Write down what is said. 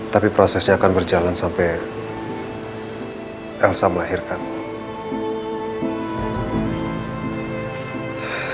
tapi prosesnya akan berjalan sampai elsa melahirkanmu